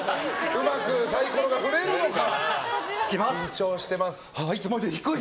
うまくサイコロが振れるのか！